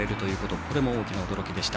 これも大きな驚きでした。